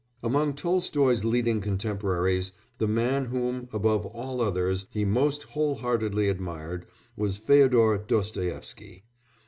Among Tolstoy's leading contemporaries the man whom, above all others, he most whole heartedly admired was Féodor Dostoïevsky.